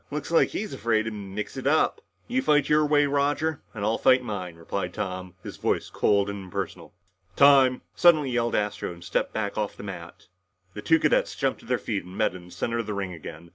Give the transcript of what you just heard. "Looks like he's afraid to mix it up!" "You fight your way, Roger, and I'll fight mine," replied Tom, his voice cold and impersonal. "Time!" suddenly yelled Astro and stepped back off the mat. The two cadets jumped to their feet and met in the center of the ring again.